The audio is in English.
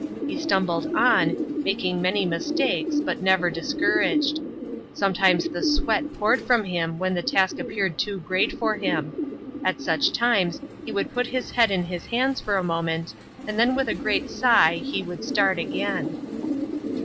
He stumbled on, making many mistakes but never discouraged. Sometimes the sweat poured from him when the task appeared too great for him. At such times he would put his head in his hands for a moment, and then with a great sigh he would start again.